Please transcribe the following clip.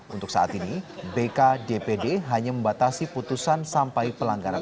untuk saat ini bkdpd hanya membatasi putusan sampai pelanggaran